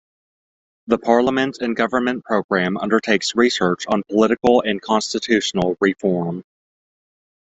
The Parliament and Government programme undertakes research on political and constitutional reform.